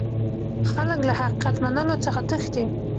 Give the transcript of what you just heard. خلک له حقيقت منلو څخه تښتي.